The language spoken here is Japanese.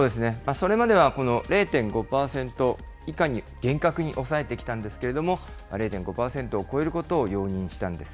それまではこの０．５％以下に厳格に抑えてきたんですけれども、０．５％を超えることを容認したんです。